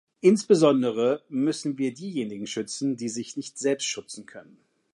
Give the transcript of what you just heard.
Insbesondere müssen wir diejenigen schützen, die sich nicht selbst schützen können.